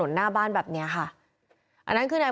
พุ่งเข้ามาแล้วกับแม่แค่สองคน